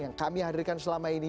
yang kami hadirkan selama ini